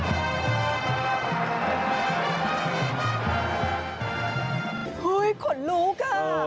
โอเห้ยมันขนลุกอ่ะ